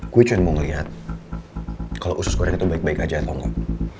gue cuma mau ngeliat kalau usus korea itu baik baik aja tau gak